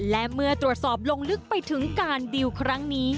และเมื่อตรวจสอบลงลึกไปถึงการดิวครั้งนี้